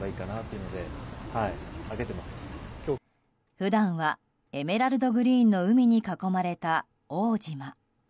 普段はエメラルドグリーンの海に囲まれた奥武島。